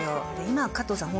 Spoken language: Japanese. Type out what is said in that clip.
今加藤さん